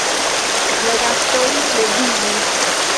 La gastoj leviĝis.